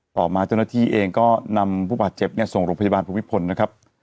ต่อมาเจ้าหน้าที่เองก็นำผู้บาดเจ็บเนี่ยส่งโรงพยาบาลภูมิพลนะครับ